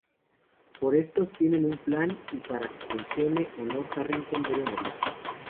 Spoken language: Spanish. Pero estos tienen un plan… y para que funcione, Honor Harrington debe morir.